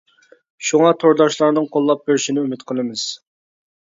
شۇڭا تورداشلارنىڭ قوللاپ بېرىشىنى ئۈمىد قىلىمىز.